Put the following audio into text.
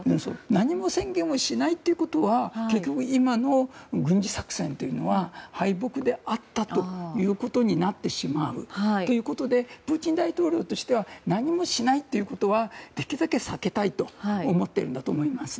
何も宣言をしないということは結局、今の軍事作戦は敗北であったということになってしまうということでプーチン大統領としては何もしないということはできるだけ避けたいと思っていると思います。